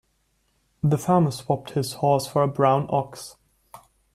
The farmer swapped his horse for a brown ox.